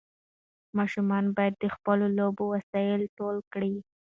ماشومان باید د خپلو لوبو وسایل ټول کړي.